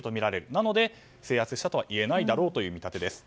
なので、制圧したとは言えないだろうという見立てです。